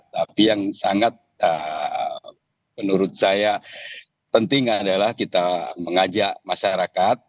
tapi yang sangat menurut saya penting adalah kita mengajak masyarakat